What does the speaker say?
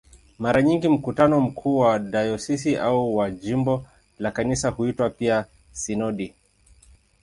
Mara nyingi mkutano mkuu wa dayosisi au wa jimbo la Kanisa huitwa pia "sinodi".